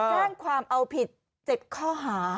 แจ้งความเอาผิด๗ข้อหา